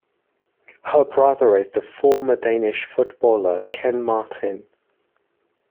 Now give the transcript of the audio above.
Her brother is the former Danish footballer Ken Martin.